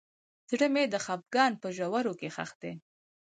زړه مې د خفګان په ژورو کې ښخ دی.